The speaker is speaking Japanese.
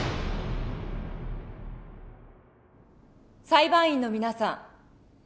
裁判員の皆さん